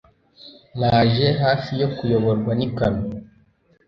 Naje hafi yo kuyoborwa n'ikamyo.